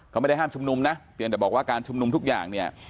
เขาไม่ได้ห้ามชุมนุมนะเพียงแต่บอกว่าการชุมนุมทุกอย่างเนี่ย